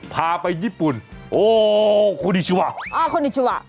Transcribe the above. พาไปญี่ปุ่นโอ้โฮคุณิชวะอ้าวคุณิชวะ